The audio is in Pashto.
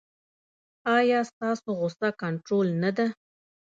ایا ستاسو غوسه کنټرول نه ده؟